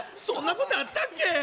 そんなことあったっけ？